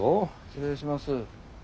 失礼します。